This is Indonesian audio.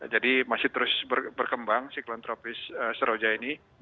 jadi masih terus berkembang siklon tropis seroja ini